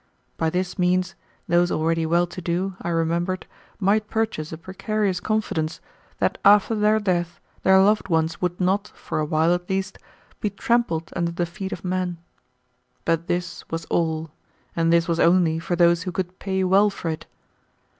By this means, those already well to do, I remembered, might purchase a precarious confidence that after their death their loved ones would not, for a while at least, be trampled under the feet of men. But this was all, and this was only for those who could pay well for it.